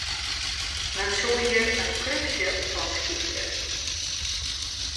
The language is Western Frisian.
Men soe hjir in krupsje fan skypje.